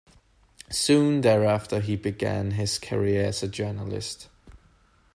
Soon thereafter, he began his career as a journalist.